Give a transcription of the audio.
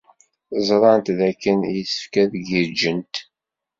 Ẓrant dakken yessefk ad giǧǧent.